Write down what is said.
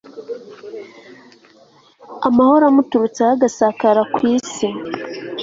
amahoro amuturutseho agasakara ku isi